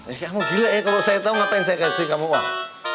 eh kamu gila ya kalau saya tahu ngapain saya kasih kamu uang